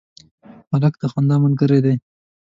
هلک د خندا ملګری دی.